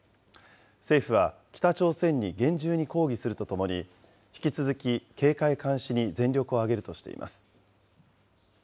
政府は北朝鮮に厳重に抗議するとともに、引き続き警戒監視に全力を挙げるとしています。